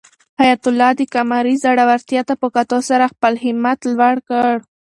حیات الله د قمرۍ زړورتیا ته په کتو سره خپل همت لوړ کړ.